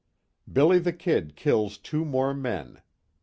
"BILLY THE KID" KILLS TWO MORE MEN.